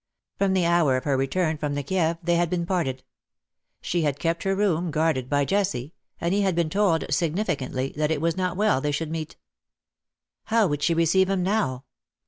From the hour of her return from the Kieve, they had been parted. She had kept her room, guarded by Jessie ; and he had been told, significantly, that it was not well they should meet. How would she receive him now